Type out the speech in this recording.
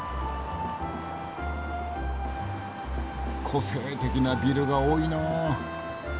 個性的なビルが多いなあ。